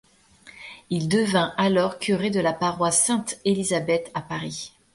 Il devint alors curé de la paroisse Sainte-Élisabeth à Paris.